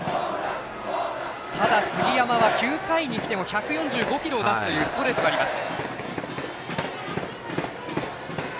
ただ、杉山は９回にきても１４５キロを出すというストレートがあります。